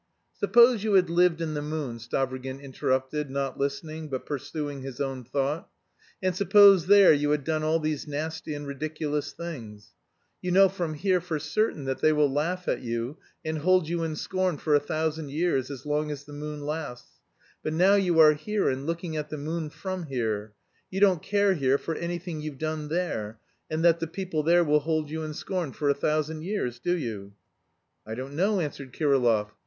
"Suppose you had lived in the moon," Stavrogin interrupted, not listening, but pursuing his own thought, "and suppose there you had done all these nasty and ridiculous things.... You know from here for certain that they will laugh at you and hold you in scorn for a thousand years as long as the moon lasts. But now you are here, and looking at the moon from here. You don't care here for anything you've done there, and that the people there will hold you in scorn for a thousand years, do you?" "I don't know," answered Kirillov.